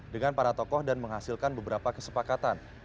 dengan para tokoh dan menghasilkan beberapa kesepakatan